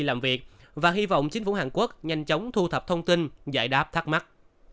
làm việc và hy vọng chính phủ hàn quốc nhanh chóng thu thập thông tin giải đáp thắc mắc